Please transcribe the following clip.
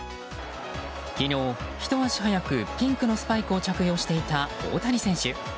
昨日、ひと足早くピンクのスパイクを着用していた大谷選手。